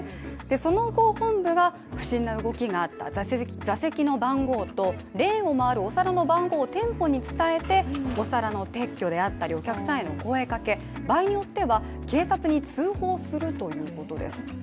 その後、本部が不審な動きがあった座席の番号とレーンを回るお皿の番号を店舗に伝えてお皿の撤去であったりお客さんへの声掛け、場合によっては警察に通報するということです。